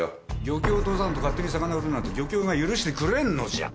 漁協を通さんと勝手に魚売るなんて漁協が許してくれんのじゃ。